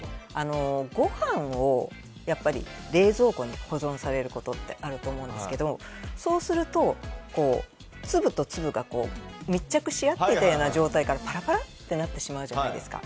ご飯を冷蔵庫に保存されることってあると思うんですけどそうすると粒と粒が密着し合ったような状態からパラパラってなってしまうじゃないですか。